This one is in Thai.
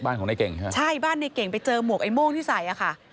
ของในเก่งใช่ไหมใช่บ้านในเก่งไปเจอหมวกไอ้โม่งที่ใส่อ่ะค่ะ